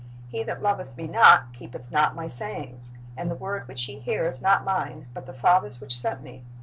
... He that loveth Me not keepeth not My sayings; and the word which ye hear is not Mine, but the Father's which sent Me."